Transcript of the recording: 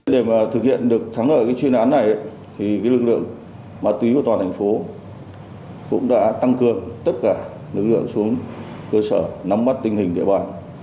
để thực hiện được thắng lợi chuyên án này lực lượng ma túy của toàn thành phố cũng đã tăng cường tất cả lực lượng xuống cơ sở nắm mắt tình hình địa bàn